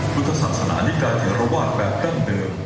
พุทธศาสนานี่กลายถึงระว่างแปลกด้านเดิม